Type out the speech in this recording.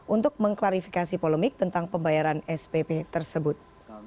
untuk mengklarifikasi polemik tentang pembayaran spp tersebut